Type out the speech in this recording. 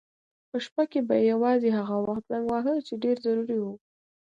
په شپه کې به یې یوازې هغه وخت زنګ واهه چې ډېر ضروري و.